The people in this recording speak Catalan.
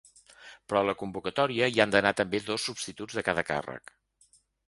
Però a la convocatòria hi han d’anar també dos substituts de cada càrrec.